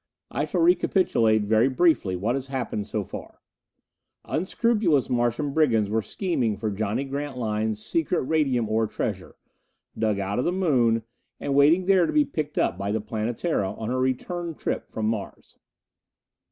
I shall recapitulate very briefly what has happened so far: Unscrupulous Martian brigands were scheming for Johnny Grantline's secret radium ore treasure, dug out of the Moon and waiting there to be picked up by the Planetara on her return trip from Mars.